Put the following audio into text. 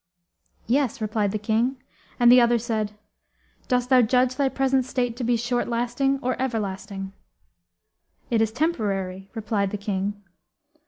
'Yes,' replied the King, and the other said, 'Dost thou judge thy present state to be short lasting or ever lasting?' 'It is temporary,' replied the King.